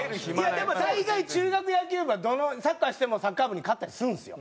でも大概中学野球部はどのサッカーしてもサッカー部に勝ったりするんですよ。